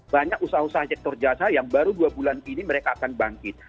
banyak usaha usaha sektor jasa yang baru dua bulan ini mereka akan bangkit